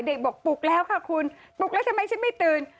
เด็กบอกปลุกแล้วค่ะคุณปลุกแล้วทำไมฉันไม่ตื่น